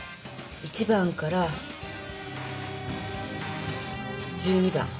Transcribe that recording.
１番から１２番。